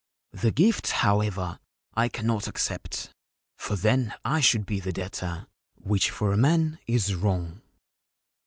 The gift, however, I cannot accept ; for then I should be the debtor, which for a man is wrong.'